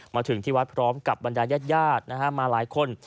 มาถึงที่วัดพร้อมกับบรรดายาดมาหลายคน